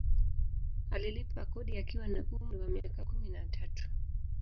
Alilipa kodi akiwa na umri wa miaka kumi na tatu